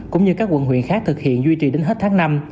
cũng như các quận huyện khác thực hiện duy trì đến hết tháng năm